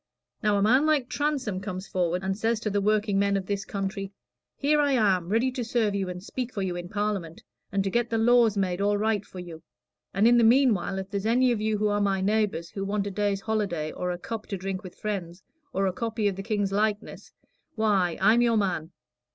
Now, a man like Transome comes forward and says to the workingmen of this country: 'Here I am, ready to serve you and speak for you in Parliament, and to get the laws made all right for you; and in the meanwhile, if there's any of you who are my neighbors who want a day's holiday, or a cup to drink with friends, or a copy of the King's likeness why, I'm your man.